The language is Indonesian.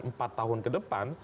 empat tahun ke depan